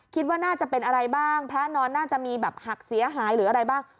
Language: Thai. คิดว่าน่าจะเป็นอะไรบ้างพระนอนน่าจะมีแบบหักเสียหายหรืออะไรบ้าง